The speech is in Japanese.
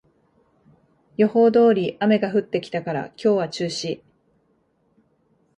予報通り雨が降ってきたから今日は中止